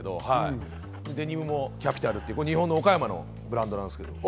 デニムもキャピタルという日本の岡山のブランドです。